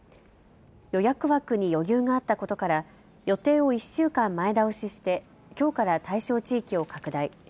予約枠に余裕があったことから予定を１週間前倒しして、きょうから対象地域を拡大。